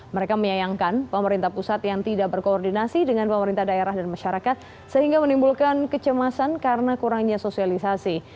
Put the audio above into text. mereka menyayangkan pemerintah pusat yang tidak berkoordinasi dengan pemerintah daerah dan masyarakat sehingga menimbulkan kecemasan karena kurangnya sosialisasi